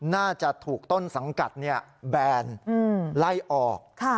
น่าจะถูกต้นสังกัดแบนไล่ออก